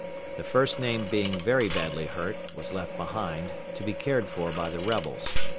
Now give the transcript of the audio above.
The first named being very badly hurt, was left behind, to be cared for by the rebels.